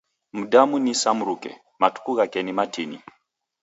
Mdamu ni sa mruke, matuku ghake ni matini.